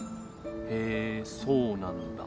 へぇそうなんだ。